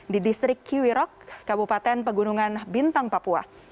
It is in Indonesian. di distrik kiwirok kabupaten pegunungan bintang papua